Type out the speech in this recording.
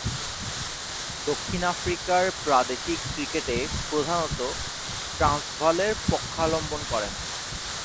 দক্ষিণ আফ্রিকার প্রাদেশিক ক্রিকেটে প্রধানতঃ ট্রান্সভালের পক্ষাবলম্বন করেন।